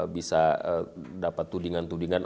bisa dapat tudingan tudingan